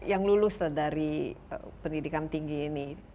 yang lulus dari pendidikan tinggi ini